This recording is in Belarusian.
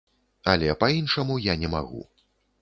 Але па-іншаму я не магу.